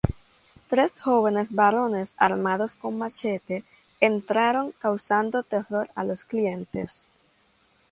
Tres jóvenes varones armados con machetes entraron causando terror a los clientes.